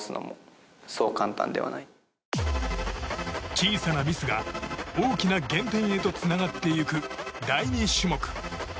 小さなミスが大きな減点へとつながってゆく第２種目。